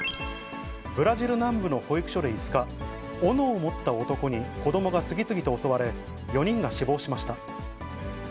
ブラジル南部の保育所で５日、おのを持った男に子どもが次々と襲われ、４人が死亡しました。